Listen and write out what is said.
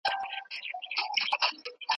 تېروتنې باید په راتلونکي کي تکرار نه سي.